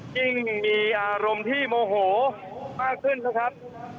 ยิ่งมีอารมณ์ที่โมโหมากขึ้นนะครับ